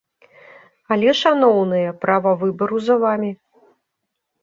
Але, шаноўныя, права выбару за вамі.